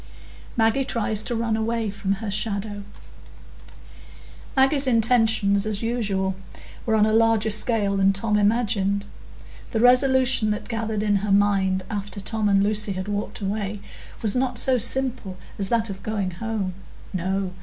Maggie Tries to Run away from Her Shadow Maggie's intentions, as usual, were on a larger scale than Tom imagined. The resolution that gathered in her mind, after Tom and Lucy had walked away, was not so simple as that of going home. No!